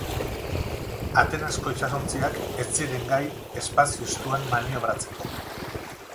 Atenasko itsasontziak ez ziren gai espazio estuan maniobratzeko.